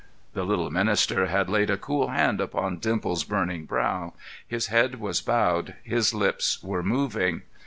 The little minister had laid a cool hand upon Dimples's burning brow; his head was bowed; his lips were moving.